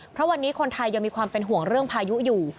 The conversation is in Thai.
เพราะวันนี้คนไทยยังมีความเป็นห่วงเรื่องพายุอยู่